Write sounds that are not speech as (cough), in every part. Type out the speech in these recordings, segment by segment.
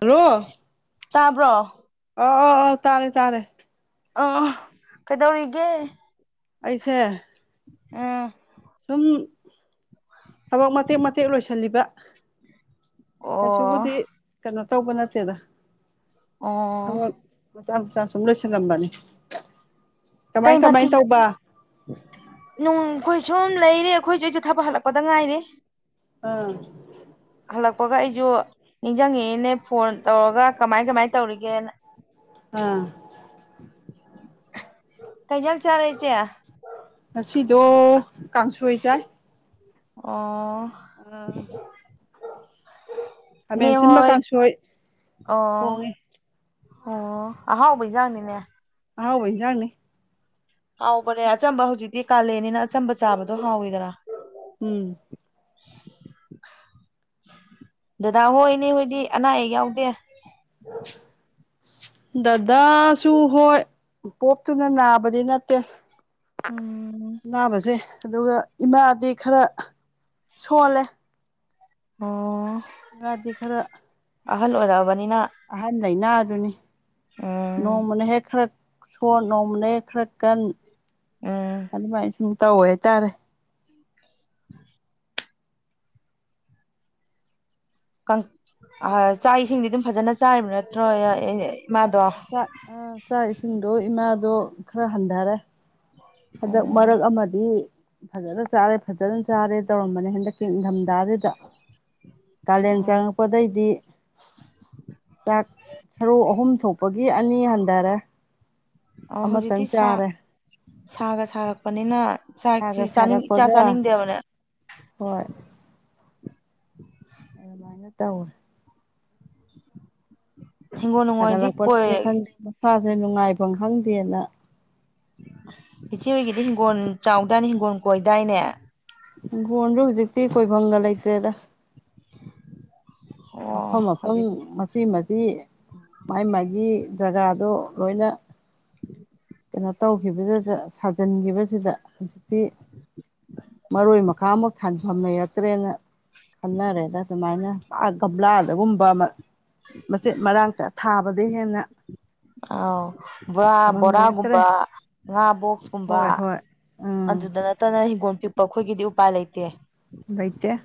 Hello ꯇꯥꯕ꯭ꯔꯣ ꯑ ꯑꯧ ꯑꯧ ꯇꯥꯔꯦ ꯇꯥꯔꯦ ꯑꯥ ꯀꯩꯗꯧꯔꯤꯒꯦ ꯑꯩꯁꯦ ꯑꯥ ꯁꯨꯝ ꯊꯕꯛ ꯃꯇꯦꯛ ꯃꯇꯦꯛ ꯂꯣꯏꯁꯜꯂꯤꯕ ꯑꯣ ꯀꯩꯁꯨꯕꯨꯗꯤ ꯀꯩꯅꯣ ꯇꯧꯕ ꯅꯠꯇꯦꯗ ꯑꯣ ꯊꯕꯛ ꯃꯆꯥ ꯃꯆꯥ ꯁꯨꯝ ꯂꯣꯏꯁꯜꯂꯝꯕꯅꯤ ꯀꯩ ꯃꯊꯤ ꯅꯨꯡ ꯈꯣꯏ ꯁꯨꯝ ꯂꯩꯔꯤ ꯑꯩꯈꯣꯏꯁꯨ ꯑꯩꯁꯨ ꯊꯥꯕꯛ ꯍꯜꯂꯛꯄꯗ ꯉꯥꯏꯔꯤ ꯑꯥ ꯍꯜꯂꯛꯄꯒ ꯑꯩꯁꯨ ꯅꯤꯡꯁꯤꯡꯉꯤꯏꯅꯦ ꯐꯣꯟ ꯇꯧꯔꯒ ꯀꯃꯥꯏ ꯀꯃꯥꯏꯅ ꯇꯧꯔꯤꯒꯦꯅ ꯑꯥ (unintelligible) ꯀꯩꯩ ꯖꯥꯡ ꯆꯥꯔꯦ ꯏꯆꯦ ꯉꯁꯤꯗꯣ ꯀꯥꯡꯁꯣꯏ ꯆꯥꯏ ꯑꯣ ꯑꯥ ꯅꯦ ꯈꯥꯃꯦꯟ ꯁꯤꯟꯕ ꯍꯣꯏ ꯀꯥꯡꯁꯣꯏ ꯑꯣ ꯊꯣꯡꯉꯦ ꯑꯣ ꯑꯍꯥꯎꯕ ꯏꯖꯥꯡꯅꯤꯅꯦ ꯑꯍꯥꯎꯕ ꯏꯟꯖꯥꯡꯅꯤ ꯍꯥꯎꯕꯅꯦ ꯑꯆꯝꯕ ꯍꯧꯖꯤꯛꯇꯤ ꯀꯥꯜꯂꯦꯟꯅꯤꯅ ꯑꯆꯝꯕ ꯆꯥꯕꯗꯣ ꯍꯥꯎꯋꯤꯗꯅ ꯎꯝ ꯗꯗꯥ ꯍꯣꯏ ꯏꯅꯦ ꯍꯣꯏꯗꯤ ꯑꯅꯥ ꯑꯌꯦꯛ ꯌꯥꯎꯗꯦ (inaudible) ꯗꯗꯥꯁꯨ ꯍꯣꯏ ꯄꯣꯞ ꯇꯨꯅ ꯅꯥꯕꯗꯤ ꯅꯠꯇꯦ ꯎꯝ ꯑꯅꯥꯕꯁꯦ ꯑꯗꯨꯒ ꯏꯃꯥꯗꯤ ꯈꯔ ꯁꯣꯜꯂꯦ ꯑꯣ ꯏꯃꯥꯗꯤ ꯈꯔ ꯑꯍꯜ ꯑꯣꯏꯔꯛꯑꯕꯅꯤꯅ ꯑꯍꯟ ꯂꯩꯅꯥ ꯑꯗꯨꯅꯤ ꯎꯝ ꯅꯣꯡꯃꯅ ꯍꯦꯛ ꯈꯔ ꯁꯣꯟ ꯅꯣꯡꯃꯅꯦ ꯈꯔ ꯀꯟ ꯎꯝ ꯑꯗꯨꯃꯥꯏꯅ ꯁꯨꯝ ꯇꯧꯋꯦ ꯍꯥꯏꯇꯥꯔꯦ ꯀꯪ ꯑ ꯆꯥꯛ ꯏꯁꯤꯡꯗꯤ ꯑꯗꯨꯝ ꯐꯖꯅ ꯆꯥꯔꯤꯕ ꯅꯠꯇ꯭ꯔꯣ ꯏꯃꯥꯗꯣ ꯑꯥ ꯆꯥꯛ ꯏꯁꯤꯡꯗꯣ ꯏꯃꯥꯗꯣ ꯈꯔ ꯍꯟꯗꯔꯦ ꯍꯟꯗꯛ ꯃꯔꯛ ꯑꯃꯗꯤ ꯐꯖꯅ ꯆꯥꯔꯦ ꯐꯖꯅ ꯆꯥꯔꯦ ꯇꯧꯔꯝꯕꯅꯦ ꯍꯟꯗꯛꯀꯤ ꯏꯡꯗꯝꯗꯥꯖꯤꯗ ꯀꯥꯂꯦꯟ ꯑꯣ ꯆꯪ ꯄꯗꯩꯗꯤ ꯆꯥꯛ ꯁꯔꯨꯛ ꯑꯍꯨꯝ ꯊꯣꯛꯄꯒꯤ ꯑꯅꯤ ꯍꯟꯗꯔꯦ ꯑ ꯍꯧꯖꯤꯛꯇꯤ ꯁꯥ ꯁꯥꯒ ꯁꯥꯔꯛꯄꯅꯤꯅ ꯆꯥꯛꯁꯤ ꯁꯥꯒ ꯆꯥꯅꯤꯡ ꯏꯆꯥ ꯁꯥꯔꯛꯄꯒ ꯆꯥꯅꯤꯡꯗꯦꯕꯅꯦ ꯍꯣꯏ ꯑꯗꯨꯃꯥꯏꯅ ꯇꯧꯋꯦ ꯍꯤꯡꯒꯣꯜ ꯅꯨꯡꯒꯣꯜꯗꯤ ꯁꯥꯒꯠꯂꯛꯄꯅꯅꯤ ꯀꯣꯏ ꯈꯪꯗꯦ ꯃꯁꯥꯁꯦ ꯅꯨꯡꯉꯥꯏꯐꯝ ꯈꯪꯗꯦꯅ ꯏꯆꯦ ꯍꯣꯏꯒꯤꯗꯤ ꯍꯤꯡꯒꯣꯟ ꯆꯥꯎꯗꯥꯏꯅꯦ ꯍꯤꯡꯒꯣꯟ ꯀꯣꯏꯗꯥꯏꯅꯦ ꯍꯪꯈꯣꯟꯖꯨ ꯍꯧꯖꯤꯛꯇꯤ ꯀꯣꯏꯕꯝꯒ ꯂꯩꯇ꯭ꯔꯦꯗ ꯑꯣ ꯃꯐꯝ ꯃꯐꯝ ꯍꯧꯖꯤꯛ ꯃꯆꯤ ꯃꯆꯤ ꯃꯥꯏ ꯃꯥꯒꯤ ꯖꯒꯥꯗꯣ ꯂꯣꯏꯅ ꯀꯩꯅꯣ ꯇꯧꯈꯤꯕꯗꯨꯗ ꯁꯥꯖꯟꯒꯤꯕꯁꯤꯗ ꯍꯧꯖꯤꯛꯇꯤ ꯃꯔꯣꯏ ꯃꯀꯥ ꯑꯝꯃꯨꯛ ꯊꯥꯡꯐꯝ ꯂꯩꯔꯛꯇ꯭ꯔꯦꯅ ꯈꯟꯅꯔꯦꯗ ꯑꯗꯨꯃꯥꯏꯅ ꯄꯥꯛ ꯀꯝꯂꯥꯗꯒꯨꯝꯕ ꯃ ꯃꯆꯦꯠ ꯃꯔꯥꯡꯇ ꯊꯥꯕꯗꯩ ꯍꯦꯟꯅ ꯑꯥꯎ ꯕꯣꯔꯥ ꯊꯥꯐꯝ ꯂꯩꯔꯛꯇ꯭ꯔꯦ ꯕꯣꯔꯥꯒꯨꯝꯕ ꯉꯥ ꯕꯣꯛꯁꯀꯨꯝꯕ ꯍꯣꯏ ꯍꯣꯏ ꯎꯝ ꯑꯗꯨꯗ ꯅꯠꯇꯅ ꯍꯤꯡꯒꯣꯜ ꯄꯤꯛꯄ ꯑꯩꯈꯣꯏꯒꯤꯗꯤ ꯎꯄꯥꯏ ꯂꯩꯇꯦ ꯂꯩꯇꯦ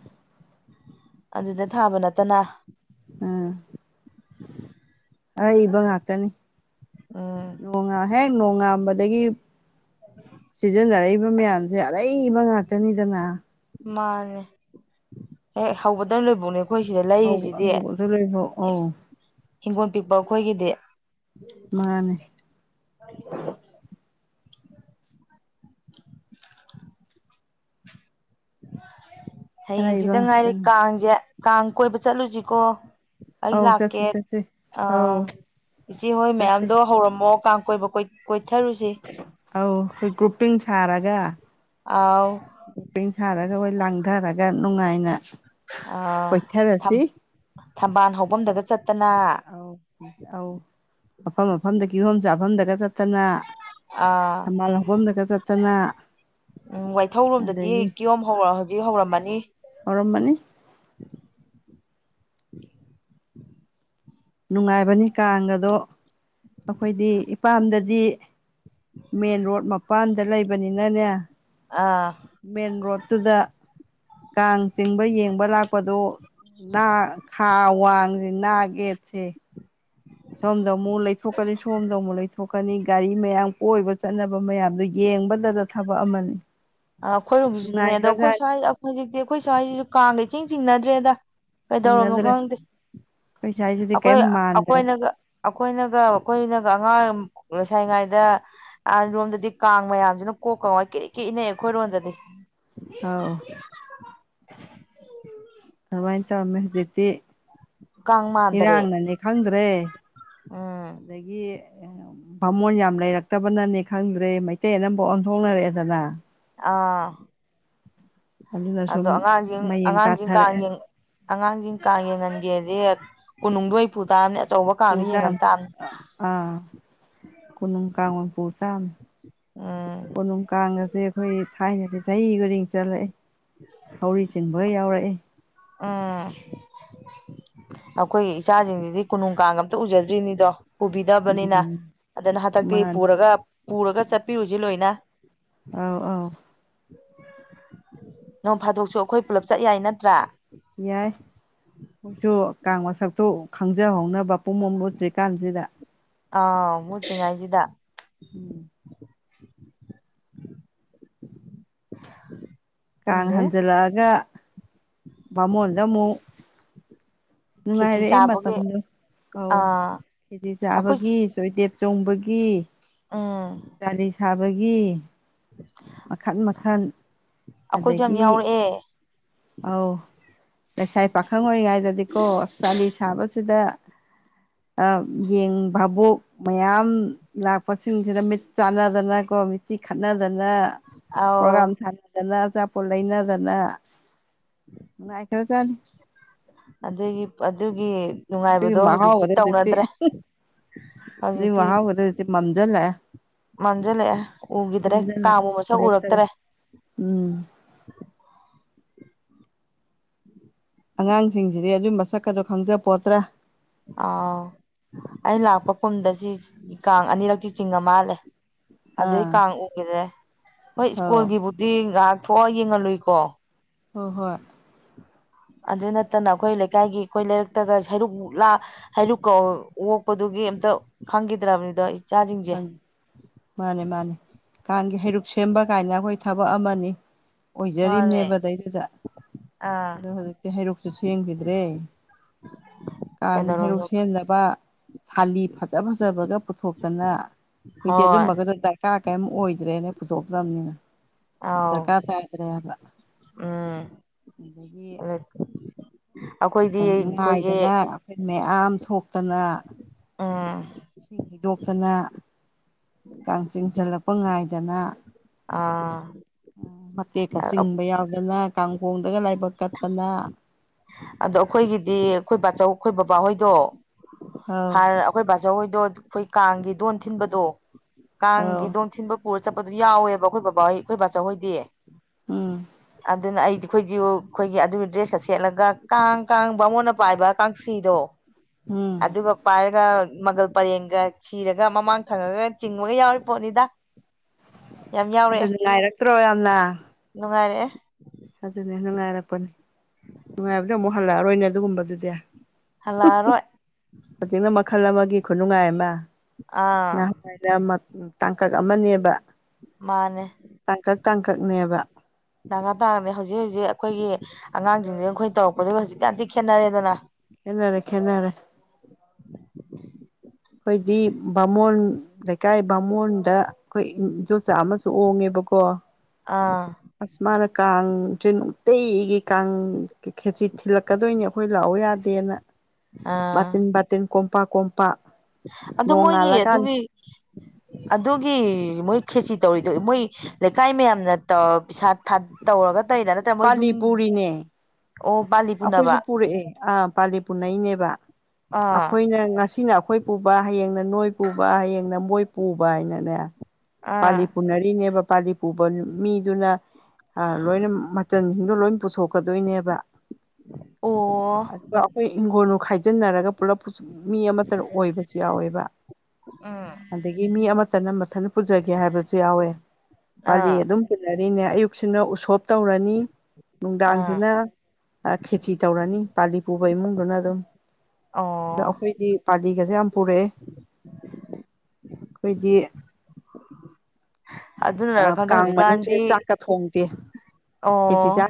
ꯑꯗꯨꯗ ꯊꯥꯕ ꯅꯠꯇꯅ ꯎꯝ ꯑꯔꯩꯕ ꯉꯥꯛꯇꯅꯤ ꯎꯝ ꯅꯣꯡꯉꯥ ꯍꯦꯛ ꯅꯣꯡꯉꯥꯟꯕꯗꯒꯤ ꯁꯤꯖꯤꯟꯅꯔꯛꯏꯕ ꯃꯌꯥꯝꯁꯦ ꯑꯔꯩꯕ ꯉꯥꯛꯇꯅꯤꯗꯅ ꯃꯥꯅꯦ ꯍꯦꯛ ꯍꯧꯕꯗꯩ ꯂꯣꯏꯕꯧꯅꯦ ꯑꯩꯈꯣꯏ ꯁꯤꯗ ꯂꯩꯔꯤꯁꯤꯗꯤ ꯍꯧꯕꯗ ꯂꯣꯏꯐꯥꯎ ꯑꯧ ꯍꯤꯡꯒꯣꯟ ꯄꯤꯛꯄ ꯑꯩꯈꯣꯏꯒꯤꯗꯤ ꯃꯥꯅꯦ ꯍꯌꯦꯡ ꯑꯔꯩꯕ ꯍꯪꯆꯤꯠꯗ ꯉꯥꯏꯔꯦ ꯉꯥꯛꯇꯅꯤ ꯀꯥꯡꯁꯦ ꯀꯥꯡ ꯀꯣꯏꯕ ꯆꯠꯂꯨꯁꯤꯀꯣ ꯑꯩ ꯑꯧ ꯆꯠꯁꯤ ꯂꯛꯀꯦ ꯆꯠꯁꯤ ꯑ ꯑꯧ ꯏꯆꯦ ꯍꯣꯏ ꯆꯠꯁꯤ ꯃꯌꯥꯝꯗꯣ ꯍꯧꯔꯝꯃꯣ ꯀꯥꯡ ꯀꯣꯏꯕ ꯀꯣꯏ ꯀꯣꯏꯊꯔꯨꯁꯤ ꯑꯧ ꯑꯩꯈꯣꯏ ꯒ꯭ꯔꯨꯞꯄꯤꯡ ꯁꯥꯔꯒ ꯑꯥꯎ ꯄꯤꯡ ꯁꯥꯔꯒ ꯍꯣꯏ ꯂꯥꯡꯗꯔꯒ ꯅꯨꯡꯉꯥꯏꯅ ꯑ ꯊꯝ ꯀꯣꯏꯊꯔꯁꯤ ꯊꯝꯕꯥꯜ ꯍꯧꯕꯝꯗꯒ ꯆꯠꯇꯅ ꯑꯧ ꯑꯧ ꯃꯐꯝ ꯃꯐꯝꯗ ꯀꯤꯍꯣꯝ ꯆꯥꯐꯝꯗꯒ ꯆꯠꯇꯅ ꯑꯥ ꯊꯝꯕꯥꯜ ꯍꯧꯐꯝꯗꯒ ꯆꯠꯇꯅ ꯎꯝ ꯋꯥꯏꯊꯧꯔꯣꯝꯗꯗꯤ ꯑꯗꯒꯤ ꯀꯤꯌꯣꯝ ꯍꯧ ꯍꯧꯖꯤꯛ ꯍꯧꯔꯝꯃꯅꯤ ꯍꯧ ꯔꯝ ꯃꯅꯤ ꯅꯨꯡꯉꯥꯏꯕꯅꯤ ꯀꯥꯡꯒꯗꯣ ꯑꯩꯈꯣꯏꯗꯤ ꯏꯄꯥꯝꯗꯗꯤ ꯃꯦꯟ ꯔꯣꯗ ꯃꯄꯥꯟꯗ ꯂꯩꯕꯅꯤꯅꯅꯦ ꯑꯥ ꯃꯦꯟꯔꯣꯗ ꯇꯨꯗ ꯀꯥꯡ ꯆꯤꯡꯕ ꯌꯦꯡꯕ ꯂꯥꯛꯄꯗꯣ ꯅꯥ ꯈꯥ ꯋꯥꯡ ꯅꯥꯛ ꯌꯦꯠꯁꯦ ꯁꯣꯝꯗ ꯑꯃꯨꯛ ꯂꯩꯊꯣꯛꯀꯅꯤ ꯁꯣꯝꯗ ꯑꯃꯨꯛ ꯂꯩꯊꯣꯛꯀꯅꯤ ꯒꯥꯔꯤ ꯃꯌꯥꯝ ꯀꯣꯏꯕ ꯆꯠꯅꯕ ꯃꯌꯥꯝꯗꯨ ꯌꯦꯡꯕꯗꯗ ꯊꯕꯛ ꯑꯃꯅꯤ ꯑ ꯑꯩꯈꯣꯏꯔꯨꯝꯒꯤꯁꯤꯗꯅꯦ ꯑꯗꯣ ꯑꯩꯈꯣꯏ ꯅꯨꯡꯉꯥꯏꯈ꯭ꯔꯖꯥꯠꯅꯤ ꯁ꯭ꯋꯥꯏ ꯍꯧꯖꯤꯛꯇꯤ ꯑꯩꯈꯣꯏ ꯁ꯭ꯋꯥꯏꯁꯤꯁꯨ ꯀꯥꯡꯒ ꯏꯆꯤꯡ ꯆꯤꯡꯅꯗ꯭ꯔꯦꯗ ꯀꯩꯗꯧꯔꯝꯃꯣ ꯆꯤꯡꯅꯗ꯭ꯔꯦ ꯈꯪꯗꯦ ꯑꯩꯈꯣꯏ ꯁ꯭ꯋꯥꯏꯁꯤꯗꯤ ꯑꯩꯈꯣꯏ ꯀꯔꯤꯝ ꯃꯥꯟꯗ꯭ꯔꯦ ꯑꯩꯈꯣꯏꯅꯒ ꯑꯩꯈꯣꯏꯅꯒ ꯑꯩꯈꯣꯏꯅꯒ ꯑꯉꯥꯡ ꯂꯩꯁꯥꯏꯉꯥꯏꯗ ꯑꯥꯔꯣꯝꯗꯗꯤ ꯀꯥꯡ ꯃꯌꯥꯝꯁꯤꯅ ꯀꯣꯛꯀꯥ ꯉꯥꯎꯏ ꯀꯔꯤꯛ ꯀꯔ꯭ꯤꯛ ꯏꯅꯩ ꯑꯩꯈꯣꯏꯔꯣꯝꯗꯗꯤ ꯑꯥꯎ ꯑꯗꯨꯃꯥꯏꯅ ꯇꯧꯔꯝꯃꯦ ꯍꯧꯖꯤꯛꯇꯤ ꯀꯥꯡ ꯃꯥꯟꯗꯔꯦ ꯏꯔꯥꯡꯅꯅꯤ ꯈꯪꯗ꯭ꯔꯦ ꯎꯝ ꯑꯗꯒꯤ ꯚꯃꯣꯟ ꯌꯥꯝ ꯂꯩꯔꯛꯇꯕꯅꯅꯤ ꯈꯪꯗ꯭ꯔꯦ ꯃꯩꯇꯩ ꯑꯅꯝꯕ ꯑꯣꯟꯊꯣꯛꯅꯔꯛꯑꯦꯗꯅ ꯑꯥ ꯑꯗꯨꯅ ꯁꯨꯝ ꯑꯗꯣ ꯑꯉꯥꯡꯁꯤꯡ ꯃꯌꯦꯡ ꯑꯉꯥꯡꯁꯤꯡ ꯀꯥ ꯇꯥꯊꯔꯛꯑꯦ ꯌꯦꯡꯉ ꯑꯉꯥꯡꯁꯤꯡ ꯀꯥꯡ ꯌꯦꯡꯍꯟꯒꯦꯗꯤ ꯀꯣꯅꯨꯡꯗ ꯑꯣꯏꯅꯥ ꯄꯨ ꯇꯥꯕꯅꯤ ꯑꯆꯧꯕ ꯀꯥꯡꯗꯣ ꯌꯦꯡꯍꯟ ꯄꯨꯇꯝꯅꯤ ꯇꯥꯕꯅꯤ ꯑꯥ ꯀꯣꯅꯨꯡ ꯀꯥꯡ ꯑꯣꯏ ꯄꯨ ꯇꯥꯕꯅꯤ ꯑ ꯀꯣꯅꯨꯡ ꯀꯥꯡ ꯒꯥꯁꯦ ꯑꯩꯈꯣꯏ ꯊꯥꯏꯅꯗꯤ ꯆꯍꯤ ꯈꯨꯗꯤꯡ ꯆꯠꯂꯛꯑꯦ (inaudible) ꯊꯧꯔꯤ ꯆꯤꯡꯕꯒꯥ ꯌꯥꯎꯔꯛꯏ ꯑꯥ ꯑꯩꯈꯣꯏ ꯏꯆꯥꯁꯤꯡꯁꯤꯗꯤ ꯀꯣꯅꯨꯡ ꯀꯥꯡꯒꯥ ꯑꯝꯇ ꯎꯖꯗ꯭ꯔꯤꯅꯤꯗꯣ ꯄꯨꯕꯤꯗꯕꯅꯤꯅ ꯎꯝ ꯑꯗꯨꯅ ꯍꯟꯗꯛꯇꯤ ꯃꯥꯅꯤ ꯄꯨꯔꯒ ꯄꯨꯔꯒ ꯆꯠꯄꯤꯌꯨꯁꯤ ꯂꯣꯏꯅ ꯑꯥꯎ ꯑꯥꯎ ꯅꯣꯡ ꯐꯥꯗꯣꯛꯁꯨ ꯑꯩꯈꯣꯏ ꯄꯨꯂꯞ ꯆꯠ ꯌꯥꯏ ꯅꯠꯇ꯭ꯔꯥ ꯌꯥꯏ ꯃꯣꯏꯁꯨ ꯀꯥꯡ ꯃꯁꯛꯇꯨ ꯈꯪꯖꯍꯧꯅꯕ ꯄꯨꯡꯃꯨꯠ ꯃꯨꯠꯇꯔꯤ ꯀꯟꯁꯤꯗ ꯑꯥ ꯃꯨꯠꯇ꯭ꯔꯤꯉꯩꯁꯤꯗ ꯀꯥꯡ ꯈꯪꯗꯦ ꯍꯟꯖꯜꯂꯛꯑꯒ ꯕꯥꯃꯣꯟꯗ ꯑꯃꯨꯛ ꯈꯦꯆꯤ ꯅꯨꯡꯉꯥꯏꯔꯛꯑꯦ ꯆꯥꯕꯒꯤ ꯃꯇꯝꯗꯣ ꯑꯧ ꯑꯥ ꯀꯦꯖꯤ ꯑꯩꯈꯣꯏ ꯆꯥꯕꯒꯤ ꯇꯣꯏꯇꯦꯠ ꯆꯣꯡꯕꯒꯤ ꯎꯝ ꯆꯥꯂꯤ ꯁꯥꯕꯒꯤ ꯃꯈꯟ ꯃꯈꯟ ꯑꯈꯣꯏꯖꯨ ꯌꯥꯝ ꯑꯗꯒꯤ ꯌꯥꯎꯔꯛꯑꯦ ꯑꯧ ꯂꯩꯁꯕꯤ ꯄꯥꯈꯪ ꯑꯣꯏꯔꯤꯉꯩꯗꯗꯤꯀꯣ ꯑꯁ ꯆꯥꯂꯤ ꯁꯥꯕꯁꯤꯗ ꯑꯥ ꯌꯦꯡ ꯚꯕꯣꯛ ꯃꯌꯥꯝ ꯂꯥꯛꯄꯁꯤꯡꯁꯤꯗ ꯃꯤꯠ ꯆꯥꯅꯗꯅꯀꯣ ꯃꯤꯠꯆꯤ ꯈꯠꯅꯗꯅ ꯑꯧ ꯄ꯭ꯔꯣꯒꯥꯝ ꯊꯥꯅꯗꯅ ꯑꯆꯥꯄꯣꯠ ꯂꯩꯅꯗꯅ (inaudible) ꯅꯨꯡꯉꯥꯏꯈꯔ ꯆꯥꯅꯤ ꯑꯗꯨꯒꯤ ꯑꯗꯨꯒꯤ ꯑꯗꯨꯏ ꯅꯨꯡꯉꯥꯏꯕꯗꯣ ꯃꯍꯥꯎꯒꯇꯤ ꯍꯧꯖꯤꯛꯇꯤ ꯇꯧꯅꯗ꯭ꯔꯦ ꯎꯝꯍ ꯑꯗꯨꯏ ꯍꯧꯖꯤꯛꯇꯤ ꯃꯍꯥꯎꯒꯇꯤ ꯍꯧꯖꯤꯛꯇꯤ ꯃꯝꯖꯤꯜꯂꯛꯑꯦ ꯃꯥꯝꯖꯤꯜꯂꯛꯑꯦ ꯎꯒꯤꯗ꯭ꯔꯦ ꯀꯥꯕꯨꯛ ꯃꯁꯛ ꯎꯔꯛꯇꯔꯦ ꯎꯝ ꯑꯉꯥꯡꯖꯤꯡꯖꯤꯗꯤ ꯑꯗꯨꯏ ꯃꯁꯛꯀꯗꯣ ꯈꯪꯖꯄꯣꯠꯇ꯭ꯔꯦ ꯑꯥ ꯑꯩ ꯂꯥꯛꯄ ꯀꯨꯝꯗ ꯁꯤ ꯀꯥꯡ ꯑꯅꯤꯔꯛꯇꯤ ꯆꯤꯡꯉ ꯃꯥꯜꯂꯦ ꯑꯗꯨꯗꯩ ꯑꯥ ꯀꯥꯡ ꯎꯒꯤꯗ꯭ꯔꯦ ꯍꯣꯏ ꯑꯧ ꯁ꯭ꯀꯨꯜꯒꯤꯕꯨꯗꯤ ꯉꯥꯏꯍꯛ ꯊꯣꯛꯑ ꯌꯦꯡꯍꯜꯂꯨꯏꯀꯣ ꯍꯣꯏ ꯍꯣꯏ ꯑꯗꯨ ꯅꯠꯇꯅ ꯑꯈꯣꯏ ꯂꯩꯀꯥꯏꯒꯤ ꯑꯈꯣꯏ ꯂꯩꯔꯛꯇꯒ ꯍꯩꯔꯨꯛꯂꯥꯛ ꯍꯩꯔꯨꯛꯀ ꯑꯣꯛꯄꯗꯨꯒꯤ ꯑꯝꯇ ꯈꯪꯒꯤꯗ꯭ꯔꯕꯅꯤꯗꯣ ꯏꯆꯥꯖꯤꯡꯖꯦ ꯈꯪ ꯃꯥꯅꯦ ꯃꯥꯅꯦ ꯀꯥꯡꯒꯤ ꯍꯩꯔꯨꯛ ꯁꯦꯝꯕ ꯀꯥꯏꯅ ꯑꯈꯣꯏ ꯊꯕꯛ ꯑꯃꯅꯤ ꯃꯥꯅꯦ ꯑꯣꯏꯖꯔꯤꯝꯅꯦꯕ ꯑꯗꯩꯗꯨꯗ ꯑꯥ ꯑꯗꯣ ꯍꯧꯖꯤꯛꯇꯤ ꯍꯩꯔꯨꯛꯁꯨ ꯁꯦꯝꯒꯤꯗ꯭ꯔꯦ ꯀꯥꯡ ꯍꯩꯔꯨꯛ ꯀꯩꯗꯧꯔꯝꯅꯣ ꯁꯦꯝꯅꯕ ꯊꯥꯂꯤ ꯐꯖ ꯐꯖꯕꯒ ꯄꯨꯊꯣꯛ ꯅ ꯍꯧꯖꯤꯛꯇꯤ ꯍꯣꯏ ꯑꯗꯨꯝꯕꯒꯗꯣ ꯗꯔꯀꯥꯔ ꯀꯦꯝ ꯑꯣꯏꯗ꯭ꯔꯦꯅꯦ ꯄꯨꯊꯣꯛꯇ꯭ꯔꯝꯅꯤꯅ ꯑꯥꯎ ꯗꯔꯀꯥꯔ ꯇꯗ꯭ꯔꯦꯕ ꯎꯝ ꯑꯗꯒꯤ (inaudible) ꯑꯩꯈꯣꯏꯗꯤ ꯑꯩꯈꯣꯏꯒꯤ ꯅꯨꯡꯉꯥꯏꯗꯅ ꯑꯈꯣꯏ ꯃꯌꯥꯝ ꯊꯣꯛꯇꯅ ꯎꯝ ꯏꯁꯤꯡ ꯍꯩꯗꯣꯛꯇꯅ ꯀꯥꯡꯥꯡ ꯆꯤꯡꯁꯤꯜꯂꯛꯄ ꯉꯥꯏꯗꯅ ꯑꯥ ꯃꯇꯦꯛꯀ ꯆꯤꯡꯕ ꯌꯥꯎꯗꯅ ꯀꯥꯡꯒꯣꯡꯗꯒ ꯂꯥꯏꯕꯛ ꯀꯠꯇꯅ ꯑꯗꯣ ꯑꯈꯣꯏꯒꯤꯗꯤ ꯑꯈꯣꯏ ꯕꯥꯆꯧ ꯑꯈꯣꯏ ꯕꯕꯥꯍꯣꯏꯗꯣ ꯑꯧ ꯍꯔ ꯈꯣꯏ ꯕꯥꯖꯧꯍꯣꯏꯗꯣ ꯈꯣꯏ ꯀꯥꯡꯒꯤ ꯗꯣꯟ ꯊꯤꯟꯕꯗꯣ ꯑꯧ ꯀꯥꯡꯒꯤ ꯗꯣꯟ ꯊꯤꯟꯕ ꯄꯨꯔ ꯆꯠꯄꯗꯨ ꯌꯥꯎꯋꯦꯕ ꯈꯣꯏ ꯕꯕꯥꯍꯣꯏ ꯈꯣꯏ ꯕꯥꯆꯧꯍꯣꯏꯗꯤ ꯎꯝ ꯑꯗꯨꯅ ꯑꯩꯗꯤ ꯑꯈꯣꯏꯖꯨ ꯈꯣꯏꯒꯤ ꯑꯗꯨꯏ ꯗ꯭ꯔꯦꯁꯀ ꯁꯦꯠꯂꯒ ꯀꯥꯡ ꯀꯥꯡ ꯕꯃꯣꯟꯅ ꯄꯥꯏꯕ ꯀꯥꯡꯁꯤꯗꯣ ꯎꯝ ꯑꯗꯨꯒ ꯄꯥꯏꯔꯒ ꯃꯪꯒꯜ ꯄꯔꯦꯡꯒ ꯁꯤꯔꯒ ꯃꯃꯥꯡ ꯊꯪꯉꯒ ꯆꯤꯡꯕꯒ ꯌꯥꯎꯔꯤ ꯄꯣꯠꯅꯤꯗ ꯌꯥꯝ ꯑꯗꯨ ꯌꯥꯎꯔꯛꯑꯦ ꯅꯨꯡꯉꯥꯏꯔꯛꯇ꯭ꯔꯣ ꯌꯥꯝꯅ ꯅꯨꯡꯉꯥꯏꯔꯛꯑꯦ ꯑꯗꯨꯅꯤ ꯅꯨꯡꯉꯥꯏꯔꯛꯄꯅꯤ ꯅꯨꯡꯉꯥꯏꯕꯗꯣ ꯑꯃꯨꯛ ꯍꯜꯂꯛꯑꯔꯣꯏꯅꯦ ꯑꯗꯨꯒꯨꯝꯕꯗꯨꯗꯤ ꯍꯥꯜꯂꯥꯛ ꯑꯔꯣꯏ ꯍꯨꯖꯤꯛꯅ ꯃꯈꯜ ꯑꯃꯒꯤ ꯈꯨꯅꯨꯡꯉꯥꯏ ꯑꯃ ꯑꯥ (unintelligible) ꯇꯥꯡꯀꯛ ꯑꯃꯅꯦꯕ ꯃꯥꯅꯦ ꯇꯥꯡꯀꯥꯛ ꯇꯥꯡꯀꯥꯛꯅꯦꯕ ꯇꯪꯉꯥ ꯇꯥꯔꯝꯃꯦ ꯍꯧꯖꯤꯛ ꯍꯧꯖꯤꯛ ꯑꯩꯈꯣꯏꯒꯤ ꯑꯉꯥꯡꯁꯤꯡꯁꯤꯅ ꯑꯩꯈꯣꯏ ꯇꯧꯔꯛꯄꯗꯨꯒ ꯍꯧꯖꯤꯛꯀ ꯌꯥꯝꯊꯤ ꯈꯦꯠꯅꯔꯦꯗꯅ ꯈꯦꯠꯅꯔꯦ ꯈꯦꯠꯅꯔꯦ ꯑꯩꯈꯣꯏꯗꯤ ꯕꯥꯃꯣꯟ ꯂꯩꯀꯥꯏ ꯕꯥꯃꯣꯟꯗ ꯑꯩꯈꯣꯏ ꯏꯗꯣꯝꯆꯥ ꯑꯃꯁꯨ ꯑꯣꯡꯉꯦꯕꯀꯣ ꯑꯥ ꯑꯁ ꯃꯥꯅ ꯀꯥꯡꯁꯦ ꯅꯨꯡꯇꯤꯒꯤ ꯀꯥꯡ ꯈꯦꯆꯤ ꯊꯤꯜꯂꯛꯀꯗꯣꯏꯅꯦꯕ ꯑꯩꯈꯣꯏ ꯂꯥꯛꯑꯣ ꯌꯥꯗꯦꯅ ꯑꯥ ꯕꯥꯇꯤꯟ ꯕꯥꯇꯤꯟ ꯀꯣꯝꯄꯥꯛ ꯀꯣꯝꯄꯥꯛ ꯑꯗꯨ ꯃꯣꯏꯒꯤ ꯅꯣꯡꯉꯥꯜꯂꯀꯥꯟ ꯑꯗꯨꯒꯤ ꯑꯗꯨꯒꯤ ꯃꯣꯏ ꯈꯦꯆꯤ ꯇꯧꯔꯤꯗꯣ ꯃꯣꯏ ꯂꯩꯀꯥꯏ ꯃꯌꯥꯝꯅ ꯇꯧ ꯄꯩꯁꯥ ꯊꯥ ꯇꯧꯔꯒ ꯇꯩꯔ ꯄꯥꯂꯤ ꯄꯨꯔꯤꯅꯦ ꯑꯣ ꯄꯥꯂꯤ ꯑꯩꯈꯣꯏꯁꯨ ꯄꯨꯔꯛꯑꯦ ꯑꯥ ꯄꯥꯜꯂꯤ ꯄꯨꯅꯩꯅꯦꯕ ꯑꯥ ꯑꯩꯈꯣꯏꯅ ꯉꯁꯤꯅ ꯑꯩꯈꯣꯏ ꯄꯨꯕ ꯍꯌꯦꯡꯅ ꯅꯣꯏ ꯄꯨꯕ ꯍꯌꯦꯡꯅ ꯃꯣꯏ ꯄꯨꯕ ꯍꯥꯏꯅꯅꯦ ꯑꯥ ꯄꯥꯂꯤ ꯄꯨꯨꯅꯔꯤꯅꯦꯕ ꯄꯥꯂꯤ ꯄꯨꯕ ꯃꯤꯗꯨꯅ ꯂꯣꯏꯅ ꯃꯆꯟꯁꯤꯡꯗꯣ ꯂꯣꯏ ꯄꯨꯊꯣꯛꯀꯗꯣꯏꯅꯦꯕ ꯑꯣ ꯑꯗꯨꯒ ꯑꯩꯈꯣꯏ ꯏꯪꯈꯣꯜꯅ ꯈꯥꯏꯖꯤꯟꯅꯔꯒ ꯄꯨꯂꯞ ꯃꯤ ꯑꯃꯇ ꯑꯣꯏꯕꯁꯨ ꯌꯥꯎꯋꯦꯕ ꯎꯝ ꯑꯗꯒꯤ ꯃꯤ ꯑꯃꯠꯇꯅ ꯃꯊꯟꯗ ꯄꯨꯖꯒꯦ ꯍꯥꯏꯕꯁꯨ ꯌꯥꯎꯋꯦ ꯄꯥꯂꯤ ꯑꯥ ꯑꯗꯨꯝ ꯄꯨꯅꯔꯤꯅꯦ ꯑꯌꯨꯛꯁꯤꯅ ꯎꯁꯣꯞ ꯇꯧꯔꯅꯤ ꯑꯥ ꯅꯨꯡꯗꯥꯡꯁꯤꯅ ꯈꯦꯆꯤ ꯇꯧꯔꯅꯤ ꯄꯥꯂꯤ ꯄꯨꯕ ꯏꯃꯨꯡꯗꯨꯅ ꯑꯗꯨꯝ ꯑꯣ ꯑꯗꯣ ꯑꯩꯈꯣꯏꯗꯤ ꯄꯥꯂꯤꯒꯁꯦ ꯌꯥꯝ ꯄꯨꯔꯛꯑꯦ ꯑꯩꯈꯣꯏꯗꯤ ꯑꯗꯨꯅꯔ ꯈꯪꯗꯦ ꯀꯥꯡ ꯃꯅꯨꯡꯁꯤꯗ ꯍꯧꯖꯤꯛꯀꯥꯟꯗꯤ ꯆꯥꯛꯀ ꯊꯣꯡꯗꯦ ꯈꯦꯆꯤ ꯆꯥ ꯑꯣ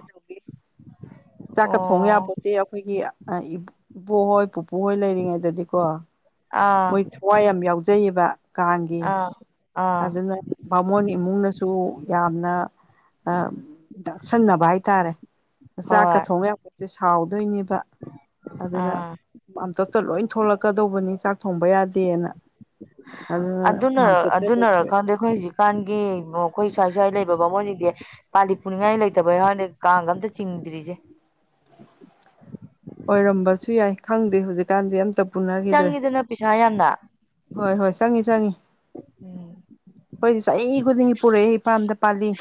ꯆꯥꯛꯀ ꯊꯣꯡ ꯑꯣ ꯌꯥꯄꯣꯠꯇꯦ ꯑꯩꯈꯣꯏꯒꯤ ꯏꯕꯨꯕꯣꯛ ꯍꯣꯏ ꯄꯨꯄꯨꯍꯣꯏ ꯂꯩꯔꯤꯉꯩꯗꯗꯤꯀꯣ ꯑꯥ ꯃꯣꯏ ꯊꯋꯥꯏ ꯌꯥꯝ ꯌꯥꯎꯖꯩꯌꯦꯕ ꯀꯥꯡꯒꯤ ꯑꯥ ꯑꯥ ꯑꯗꯨꯅ ꯕꯥꯃꯣꯟ ꯏꯃꯨꯡꯅꯁꯨ ꯌꯥꯝꯅ ꯗꯥꯛꯁꯟꯅꯕ ꯍꯥꯏꯇꯥꯔꯦ ꯆꯥꯛꯀ ꯍꯣꯏ ꯊꯣꯡ ꯌꯥꯄꯣꯠꯇꯦ ꯁꯥꯎꯗꯣꯏꯅꯦꯕ ꯑꯗꯨꯗ ꯑꯥ ꯃꯥꯝꯇꯣꯞꯇ ꯂꯣꯏ ꯊꯣꯂꯛꯀꯗꯧꯕꯅꯤ ꯆꯥꯛ ꯊꯣꯡꯕ ꯌꯥꯗꯦꯅ ꯑꯗꯨꯅ ꯃꯥꯝꯇꯣꯞꯇ ꯑꯗꯨꯝ ꯑꯗꯩ ꯑꯩꯈꯣꯏ ꯍꯧꯖꯤꯛꯀꯥꯟꯒꯤ ꯑꯩꯈꯣꯏ ꯁ꯭ꯋꯥꯏ ꯁ꯭ꯋꯥꯏ ꯂꯩꯕ ꯕꯥꯃꯣꯟꯁꯤꯡꯖꯦ ꯄꯥꯜꯂꯤ ꯄꯨꯅꯤꯡꯉꯥꯏ ꯂꯩꯇꯕꯩ ꯋꯥꯅꯦ ꯀꯥꯡꯒ ꯑꯝꯇ ꯆꯤꯡꯗ꯭ꯔꯤꯁꯦ ꯑꯣꯏꯔꯝꯕꯁꯨ ꯌꯥꯏ ꯈꯪꯗꯦ ꯍꯧꯖꯤꯛꯀꯥꯟꯗꯤ ꯑꯝꯇ ꯄꯨꯅꯈꯤꯗ꯭ꯔꯦ ꯆꯪꯉꯤꯗꯅ ꯄꯤꯁꯥ ꯌꯥꯝꯅ ꯍꯣꯏ ꯍꯣꯏ ꯆꯪꯉꯤ ꯆꯪꯉꯤ ꯎꯝ ꯈꯣꯏꯗꯤ ꯆꯍꯤ ꯈꯨꯗꯤꯡꯒꯤ ꯄꯨꯔꯛꯑꯦ ꯏꯄꯥꯝꯗ ꯄꯥꯜꯂꯤ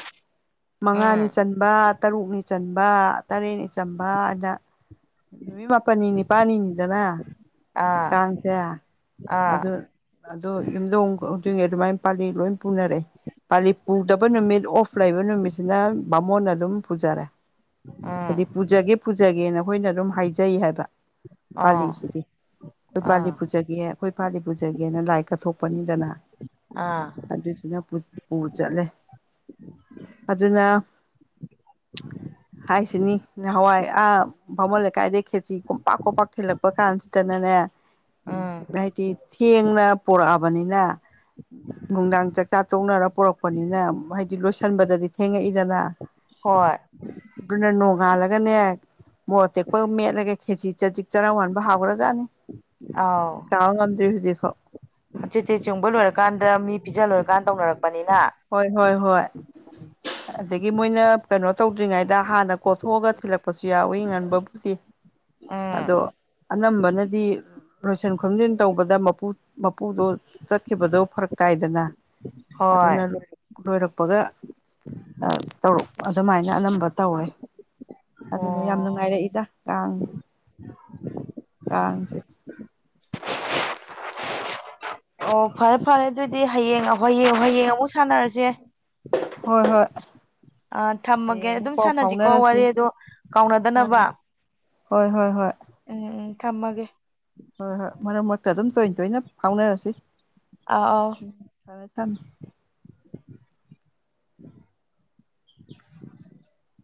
ꯃꯉꯥꯅꯤ ꯎꯝ ꯆꯟ ꯕ ꯇꯔꯨꯛꯅꯤ ꯆꯟꯕ ꯇꯔꯦꯠꯅꯤ ꯆꯟꯕ ꯑꯅ ꯅꯨꯃꯤꯠ ꯃꯥꯄꯟꯅꯤ ꯅꯤꯄꯥꯜꯅꯤꯅꯤꯗꯅ ꯑꯥ ꯀꯥꯡꯁꯦ ꯑꯥ ꯑꯗꯨ ꯑꯗꯣ ꯌꯨꯝꯗꯣꯡ ꯍꯧꯗꯤꯉꯩ ꯑꯗꯨꯃꯥꯏꯅ ꯄꯥꯜꯂꯤ ꯂꯣꯏ ꯄꯨꯅꯔꯦ ꯄꯥꯂꯤ ꯄꯨꯗꯕ ꯅꯨꯃꯤꯠ ꯑꯣꯐ ꯂꯩꯕ ꯅꯨꯃꯤꯠꯁꯤꯅ ꯕꯥꯃꯣꯟꯅ ꯑꯗꯨꯝ ꯄꯨꯖꯔꯦ ꯎꯝ ꯍꯥꯏꯗꯤ ꯄꯨꯖꯒꯦ ꯄꯨꯖꯒꯦꯅ ꯑꯩꯈꯣꯏꯅ ꯑꯗꯨꯝ ꯍꯥꯏꯖꯩ ꯍꯥꯏꯕ ꯑꯣ ꯄꯥꯜꯂꯤꯁꯤꯗꯤ ꯑꯩꯈꯣꯏ ꯄꯥꯜꯂꯤ ꯑꯥ ꯄꯨꯖꯒꯦ ꯑꯩꯈꯣꯏ ꯄꯥꯜꯂꯤ ꯄꯨꯖꯒꯦꯅ ꯂꯥꯏ ꯀꯠꯊꯣꯛꯄꯅꯤꯗꯅ ꯑꯥ ꯑꯗꯨꯗꯨꯅ ꯄꯨ ꯆꯠꯂꯦ ꯑꯗꯨꯅ ꯍꯥꯏꯁꯤꯅꯤ ꯅꯍꯥꯟꯋꯥꯏ ꯑꯥ ꯚꯥꯃꯣꯟ ꯂꯩꯀꯥꯏꯗꯩ ꯈꯦꯠꯆꯤ ꯀꯣꯝꯄꯥꯛ ꯀꯣꯝꯄꯥꯛ ꯊꯤꯂꯛꯄ ꯀꯥꯟꯁꯤꯗꯅꯅꯦ ꯎꯝ ꯍꯥꯏꯗꯤ ꯊꯦꯡꯅ ꯄꯣꯔꯛꯑꯕꯅꯤꯅ ꯅꯨꯡꯗꯥꯡ ꯆꯥꯛꯆꯥ ꯇꯣꯡꯅꯔ ꯄꯣꯔꯛꯄꯅꯤꯅ ꯍꯥꯏꯗꯤ ꯂꯣꯏꯁꯟꯕꯗꯗꯤ ꯊꯦꯡꯉꯛꯏꯗꯅ꯫ ꯍꯣꯏ꯫ ꯗꯨꯅ ꯅꯣꯡꯉꯥꯜꯂꯒꯅꯦ꯫ ꯃꯣꯔꯠ ꯇꯦꯛꯄꯒ ꯃꯦꯠꯂꯒ ꯈꯦꯆꯤ ꯆꯖꯤꯛ ꯆꯔꯥ ꯋꯥꯟꯕ ꯍꯥꯎꯒ꯭ꯔꯥꯖꯥꯠꯅꯤ꯫ ꯑꯥꯎ ꯉꯥꯎ ꯉꯝꯗ꯭ꯔꯤ ꯍꯨꯖꯤꯛꯐꯥꯎ꯫ ꯆꯦ ꯆꯦ ꯆꯣꯡꯕ ꯂꯣꯏꯔꯀꯥꯟꯗ ꯃꯤ ꯄꯤꯖ ꯂꯣꯏꯔꯀꯥꯟꯗ ꯇꯧꯅꯔꯛꯄꯅꯤꯅ ꯍꯣꯏ ꯍꯣꯏ ꯍꯣꯏ ꯑꯗꯒꯤ ꯃꯣꯏꯅ ꯀꯩꯅꯣ ꯇꯧꯗ꯭ꯔꯤꯉꯩꯗ ꯍꯥꯟꯅ ꯀꯣꯊꯣꯛꯑꯒ ꯊꯤꯜꯂꯛꯄꯁꯨ ꯌꯥꯎꯋꯤ ꯉꯟꯕꯕꯨꯗꯤ ꯎꯝ ꯑꯗꯣ ꯑꯅꯝꯕꯅꯗꯤ ꯂꯣꯏꯁꯤꯟ ꯈꯣꯝꯖꯤꯟ ꯇꯧꯕꯗ ꯃꯄꯨ ꯃꯄꯨꯗꯣ ꯆꯠꯈꯤꯕꯗꯣ ꯐꯔꯛ ꯇꯥꯏꯗꯅ꯫ ꯍꯣꯏ ꯑꯗꯨꯅ ꯂꯣꯏꯔꯛꯄꯒ ꯑ ꯇꯧꯔꯛ ꯑꯗꯨꯃꯥꯏꯅ ꯑꯅꯝꯕ ꯇꯧꯔꯦ ꯑꯗꯨꯅ ꯌꯥꯝ ꯑꯣ ꯅꯨꯡꯉꯥꯏꯔꯛꯏꯗ ꯀꯥꯡ ꯀꯥꯡꯁꯦ ꯑꯣ ꯐꯔꯦ ꯐꯔꯦ ꯑꯗꯨꯏꯗꯤ ꯍꯌꯦꯡ ꯑ ꯍꯣꯌꯦꯡ ꯍꯣꯌꯦꯡ ꯑꯃꯨꯛ ꯁꯥꯟꯅꯔꯁꯦ꯫ ꯍꯣꯏ ꯍꯣꯏ ꯑ ꯊꯝꯃꯒꯦ ꯍꯌꯦꯡ ꯑꯃꯨꯛ ꯑꯗꯨꯝ ꯄꯥꯎ ꯁꯥꯟꯅꯁꯤꯀꯣ ꯐꯥꯎꯅꯔꯁꯤ ꯋꯥꯔꯤ ꯑꯗꯣ ꯑꯥ ꯀꯥꯎꯅꯗꯅꯕ ꯍꯣꯏ ꯍꯣꯏ ꯍꯣꯏ ꯎꯝ ꯎꯝ ꯊꯝꯃꯒꯦ꯫ ꯍꯣꯏ ꯍꯣꯏ ꯃꯔꯛ ꯃꯔꯛꯇ ꯑꯗꯨꯝ ꯇꯣꯏ ꯇꯣꯏꯅ ꯐꯥꯎꯅꯔꯁꯤ꯫ ꯑꯥ ꯑꯥꯎ (unintelligible) ꯊꯝꯃꯦ ꯊꯝꯃꯦ (unintelligible)